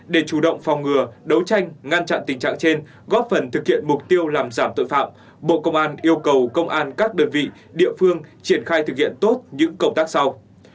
để chủ động phòng ngừa đấu tranh ngăn chặn tình trạng trên góp phần thực hiện mục tiêu làm giảm tội phạm bộ công an yêu cầu công an các đơn vị địa phương triển khai thực hiện tốt những công tác sau